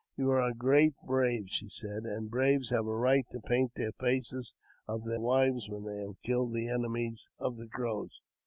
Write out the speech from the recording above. "You are a great brave," she said, ''and braves have a right to paint the faces of their wives when they have killed the enemies of the Crows.